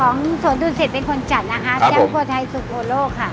ของสวนดุลเสธเป็นคนจัดนะคะแชมป์ผัดไทยสุโปรโลค่ะ